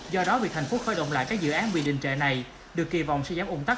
do đó việc thành phố khởi động lại các dự án bị định trệ này được kỳ vọng sẽ giảm ủng tắc